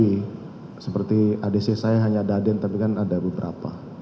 seperti adc saya hanya ada aden tapi kan ada beberapa